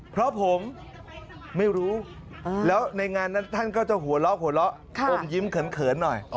เพราะผมไม่รู้แล้วในงานนั้นท่านก็จะหัวเราะหัวเราะอมยิ้มเขินหน่อย